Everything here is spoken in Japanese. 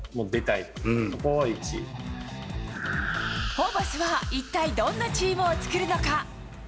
ホーバスは一体どんなチームを作るのか。